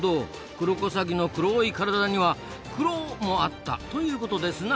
クロコサギの黒い体にはクロもあったということですな。